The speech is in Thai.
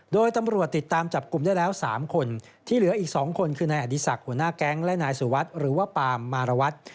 โดยตำรวจติดตามจับกลุ่มได้แล้ว๓คนที่เหลืออีก๒คนคือนายอดีศักดิ์หัวหน้าแก๊งและนายสุวัสดิ์หรือว่าปามมารวัตร